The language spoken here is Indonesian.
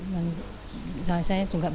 saya juga berterima kasih